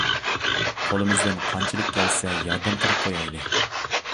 قولىمىزدىن قانچىلىك كەلسە ياردەم قىلىپ قويايلى.